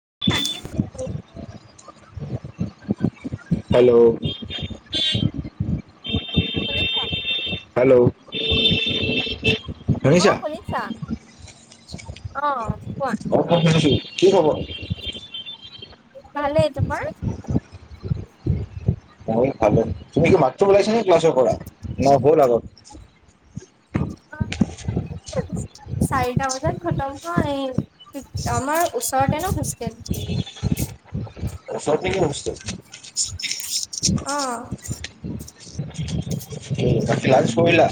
[inaudible] [inaudible] Hello. শুনিছা? Hello. শুনিছা অ'শুনিছা? অ' কোৱা অ'মই শুনিছোঁ। কি খবৰ? ভালেই, তোমাৰ? মোৰো ভালে। তুমি কি মাতটো ওলাইছ নে ক্লাছৰ পৰা। না হ'ল আগত। চাৰিটা বজাত খটম হয়। এই আমাৰ ওচৰতে ন হোষ্টেল। ওচৰত নেকি হোষ্টেল? অহ'। [unintelligible] বাকী লাঞ্চ কৰিলা?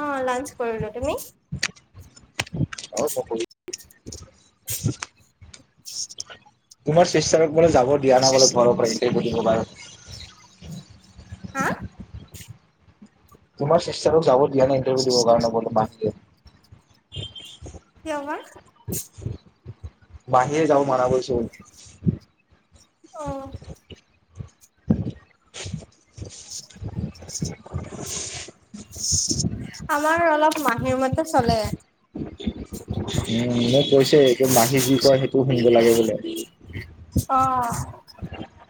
অ লাঞ্চ কৰিলো। তুমি? অ মই কৰিলো [unintelligible] তোমাৰ স্বে্ছাৰ বোলে যাব দিয়া নাই বোলে। খুৱাব পাৰি এইবুলি কবা হা'। তোমাৰ চিষ্টাৰক যাবত দিয়া নাই ইণ্টাৰভিউ দিব কাৰণে [unintelligible] কিয়বা? মাহিৰে যাব মানা কৰিছে অহ'। [unintelligible] [unintelligible] আমাৰ অলপ মাহীৰ মতে চলে। উম', মই কৈছেই তোৰ মাহী যি কয় সেইটোও শুনিব লাগে বুলে। অ [unintelligible]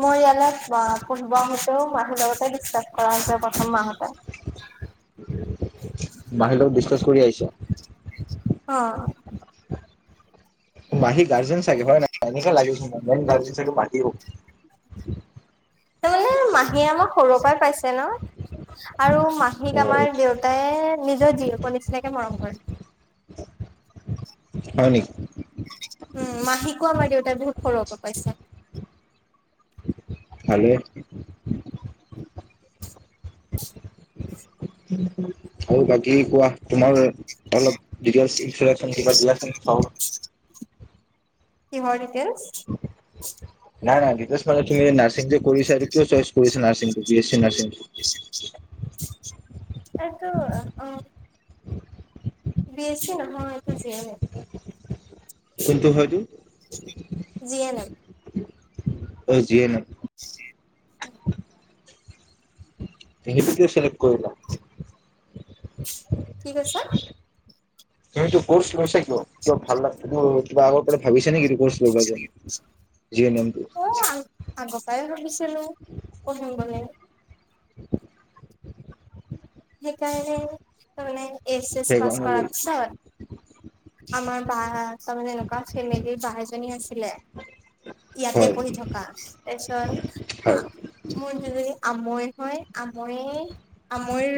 মই ইয়ালৈ আহ পঢ়িব আহোঁতে মাহীৰ লগতে ডিচকাচ কৰা হৈছে প্ৰথম মা হঁতে। বাহিৰৰ বিশ তচ কৰি আহিছা অ'। মাহী গাৰ্জেন চাগে, হয় নাই। এনেকে লাগে মেইন গাৰ্জেন পতিব তাৰমানে মাহীয়ে আমাক সৰুৰ পৰাই পাইছে ন আৰু মাহীক আমাৰ দেউতাই নিজৰ জীয়েকৰ নিচিনাকে মৰম কৰে। হয় নেকি উম মাহি কোৱা আমাৰ দে বহুত সৰু পৰা পাইছে ভালে। আৰু বাকী কোৱা তোমাৰ অলপ ইলন কিবা দিয়াচোন চ [unintelligible] কিহৰ? ইলচ [unintelligible] নাই নাই ডিতেলছ মানে তুমি নাৰ্ছিং যে কৰিছা কিয় চইচ কৰিছা নাৰ্ছিংটো বি এছ চি নাৰ্ছিং? সেটো অ বি এছি নহয় এটো জিএনেম । কোনটো হয়তো। G N M. অ জিয়ে নেম । জি সেইটো কিয় চিলেক্ট কৰিলা? কি কৈছা? তুমিটো কৌচ লৈছা। কিয়? কিয় ভাল লাগে ক আগৰ পৰা ভাবিছা নেকি তুমি? চাজাৰ যি এনেমটো [unintelligible] আগ পাই ভাবিছো। ছিলো । পঢ়িম বুলি। সেইকাৰণে ত এছ এছ পাছ সেইকাৰণে কৰা হয় পিছত আমাৰ বা তাৰমানে এনেকুৱা ফেমিলিৰ বা এজনী আছিলে। ইয়াতে হয় পঢ়ি থকা। তাৰপিছত মোৰ যি জনী আমই হয় আমই আমইৰ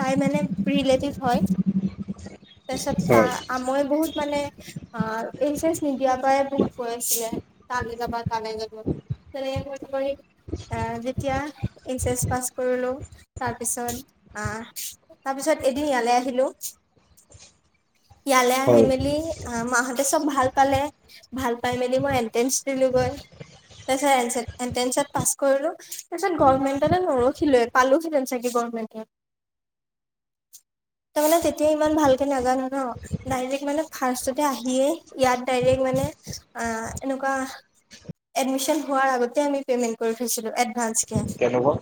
তাই মানে ৰিলেটিভ হয়। তাৰপিছত তা হয় আমৈ বহুত মানে আহ এইচ নিদিয়াৰ পৰাই বহুত কৈ আছিলে। তালৈ যাবা তালৈ যাবা, তেনেকে এ যেতিয়া এইচ এছ পাছ কৰিলো। তাৰ পিছত, আহ তাৰপিছত এদিন ইয়ালৈ আহিলো। ইয়ালে আহি হয় মেলি মাহঁতে চব ভাল পালে। ভাল পাই মেলি মই এন্ট্ৰেন্ঞ্চ দিলোগৈ। তাৰপিছত এ এনটেন্তচত পাছ কৰিলো। তাৰিছত গভমেণ্ট এ নৰোখিলোৱে পালোহেটেন । চাগে গভমেন্টত তাৰমানে তেতিয়া ইমান ভালকে নাজানো ন। মানে ফাৰ্ষ্টততে আহিয়ে ইায়াত দাৰেক্ট মানে অ এনেকুৱা এডমিচন হোৱাৰ আগতে আমি পেমেণ্ট কৰি থৈছিলো । এডভান্সকে। কেনেকুৱা?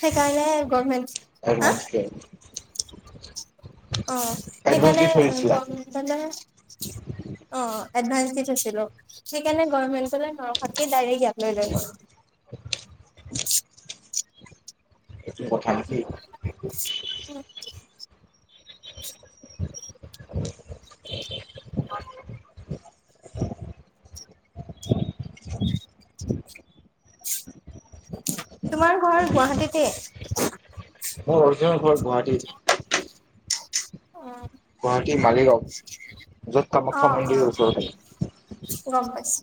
সেইকাৰণে গভমেন্ট, হা? এডভান্স কেয়াৰ [inaudible] অ, এডভান্স দি সেইকাৰণে থৈ অ দিছিলা । এডভান্স দি থৈছিলো । সেইকাৰণে গৰ্ভমেন্ট [unintelligible] ডাইৰেক্ট ইয়াত লৈ লয় মই এইটো কথা নেকি? উম। [inaudible] তোমাৰ ঘৰ গুৱাহাটীতে? [inaudible] মোৰ অৰিজিনেল ঘৰ গুৱাহাটীত। গুৱাহাটীৰ মালিগাঁও। য'ত অ অ কামাখ্যা মন্দিৰৰ ওচৰতে। গম পাইছো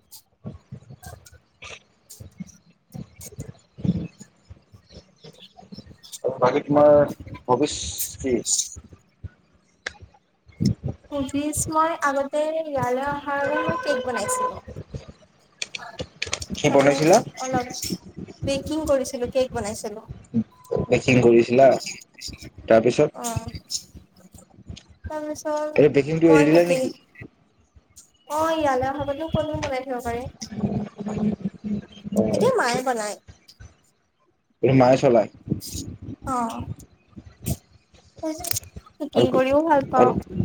আৰু বাকী তোমাৰ ভৱিষ্য [unintelligible] [inaudible] [unintelligible] মই আগতে, ইয়ালৈ অহাৰ আগত মই কেক বনাইছিলো । হয় কি । এনে বনাইছিলা? অলপ । বেকিং কৰিছিলো, কেক বনাইছিলোঁ । বেকিং কৰিছিলা । তাৰপিছত? তাৰপাছত, এই বেকিংটো এৰি মই দিলা কুকিং নেকি? অ' ইয়ালৈ অহাৰ পৰানো ক'তনো বনাই থব পাৰে? এতিয়া মায়ে বনায় । ত' মায়ে চলায়? অ' । [unintelligible] আৰু কুকিং কৰিও ভাল আৰু পাওঁ ।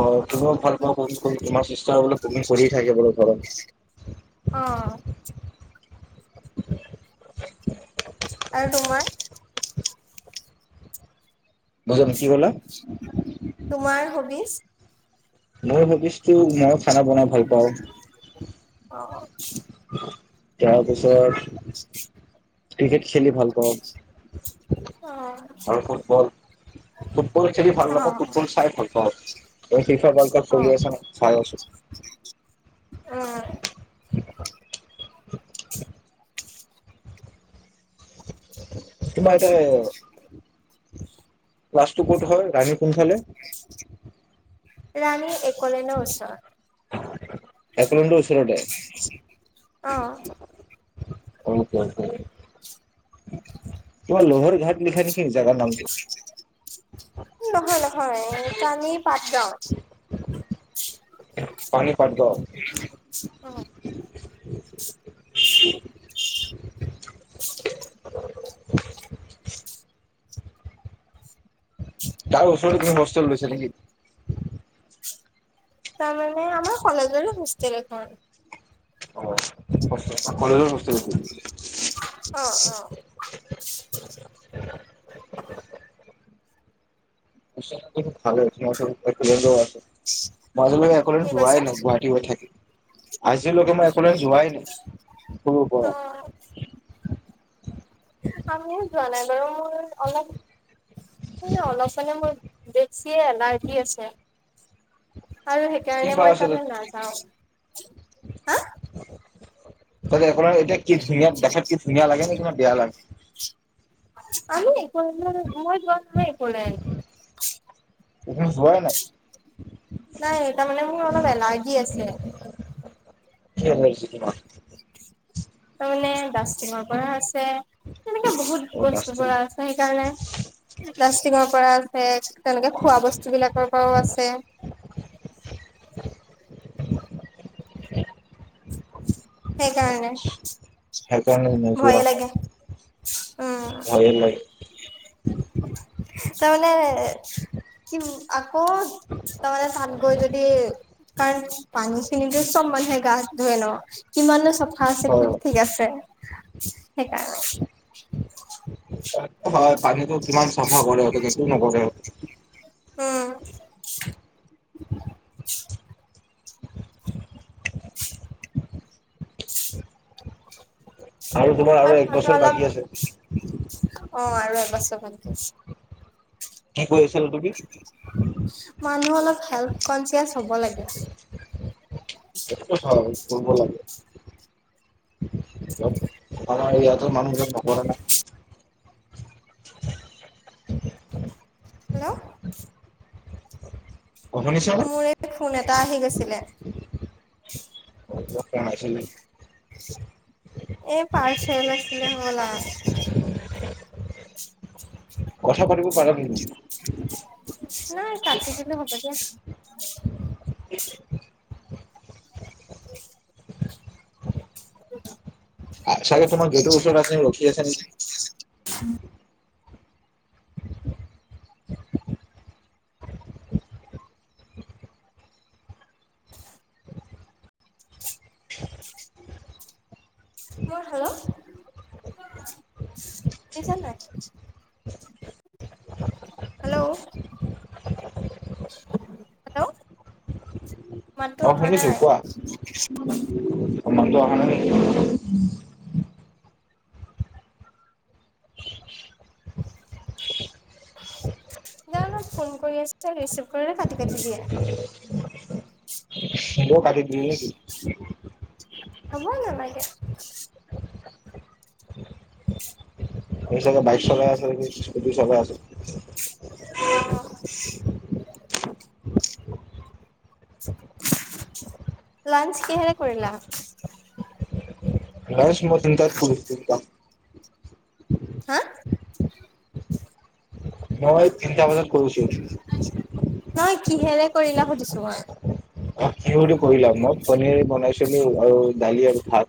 অ' তুমিও ভাল পোৱা কুকিং কৰি, তোমাৰ চিষ্টাৰো বোলে কুকিং কৰিয়ে থাকে বোলে অ ঘৰত । আৰু তোমাৰ? বুজাম, কি ক'লা? তোমাৰ হবিচ? মোৰ হবিছ মই খানা বনাই ভাল পাওঁ । অ তাৰপিছত, ক্ৰিকেট খেলি ভাল পাওঁ । [inaudible] আৰু ফুটবল, ফুটবল খেলি ভাল অ নাপাওঁ, ফুটবল চাই ভাল পাওঁ। এই ফিফা ৱৰ্ল্ডকাপ অ চলি আছে, চাই আছোঁ। অ'। তোমাৰ এটা, ক্লাছ ক'ত হয় ৰাণী? কোনফালে? [unintelligible] ৰানী এক। ক'লে ন ওচৰত, একলেণ্ডৰ ওচৰতে? অ'! [inaudible] তোমাৰ লোহাৰ ঘাট লিখা নেকি জোগাৰ নামটো। নহয়! নহয়! তানি পাটগাঁও। পানী পাটগাঁও? উম! [unintelligible] তাৰ ওচৰতে তুমি হোষ্টেল লৈছা নেকি? তাৰমানে আমাৰ কলজৰে হোষ্টেল এখন। অ' কলেজৰ হোষ্টেল নেকি। অ অ [unintelligible] মাজলৈকে একেবাৰে যোৱাই নাই, কি কৈছা গুৱাহাটী হৈ থাকিল।‌ আজিলৈকে মই একেবাৰে যোৱাই নাই সৰুৰে অ পৰা আমিও [unintelligible] অলপ ন, অলপ মানে মোৰ, বেছিয়ে এলাৰ্জি আছে, আৰু সেইকাৰণে মই তালে নাযাওঁ। [unintelligible] তাকে। আপোনাৰ এতিয়া কি ধুনীয়া, দেখাত কি ধুনীয়া লাগে নে কিবা বেয়া লাগে? আমি [inaudible] মই যোৱা নাই কলেজ, তুমি যোৱাই নাই নাই তাৰমানানে মোৰ অলপ এলাৰ্জি আছে। [unintelligible] তাৰ মানে ডাষ্টিঙৰ পৰা আছে মানে বহুত অ' বস্তুৰ ডাষ্টিং পৰা আছে, সেইকাৰণে। প্লাষ্টিঙৰ পৰা আছে, তেনেকে খোৱা বস্তু বিলাকৰ পৰাও আছে। সেইকাৰণে। সেইকাৰণে নোযোৱা ভয়ে লাগে হ'ল। [unintelligible] ভয়ে নাই। তাৰমানে কি আকৌ, তামানে তাত গৈ যদি, কাৰণ পানী খিনি তে চব মানুহে গা ধুৱে ন। কিমানো চফা আছে, কি হয় ঠিক আছে। সেইকাৰণে। হয়। পানীতো কিমান চাফা কৰে, সিহতে একো নাভাৱে। উম! [unintelligible] [inaudible] তোমাৰ আৰু এক মানে বছৰ অলপ, বাকী আছে অ' আৰু এবছৰ চৰ বাকী আছে [unintelligible] [unintelligible] মানুহ অলপ হেল্থ কনচিয়াচ হ'ব লাগে হয় কৰিব লাগে [unintelligible] আমাৰ ইয়াতো মানুহ নপঢ়া নে হেল্ল' অ শুনিছা নে মোৰ এই ফোন এটা আহি গৈছিলে কোৱা কিয় মাৰিছিলি এই পাৰছেল আছিলে হবলা কথা পাতিব পাৰা কিন্তু নাই কাটি দিলো হব দিয়া [unintelligible] [unintelligible] চাগে তোমাৰ গেটৰ ওচৰত আছে ৰখি আছে নেকি [unintelligible] [inaudible] মোৰ হেল্ল' শুনিছা নাই [inaudible] হেল্ল' হেল্ল' মাততো অ', অহা শুনিছো নাই কোৱা। মাতটো অহা নাই জানো ফোন কৰি আছে ৰিচিভ কৰিলে কাটি কাটি দিয়ে [unintelligible] মইও কাটি দিম নেকি হ'ব নালাগে হৈ চাগে বাইক চলাই আছে নেকি স্কুটি চলাই আছে অ লাঞ্চ কিহৰে কৰিলা লাঞ্চ মই তিনিটাত কৰিছোঁ তিনিটা হা মই তিনিটা বজাত কৰিছোঁ নহয় কিহেৰে কৰিলা সুধিছো মই অ কি বুলি কলা মই পনীৰ বনাইছিলো আৰু ডালি আৰু ভাত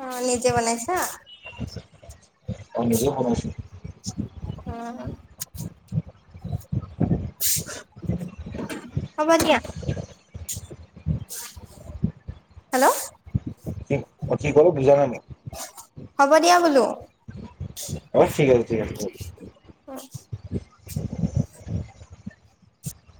অ নিজে বনাইছা অ', নিজে বনাইছো। উম [unintelligible] হ'ব দিয়া হেল্ল' কি অ কি কৰো বুজা নাই হ'ব দিয়া বোলো। অ', ঠিক আছে ঠিক আছে।